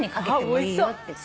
おいしそう。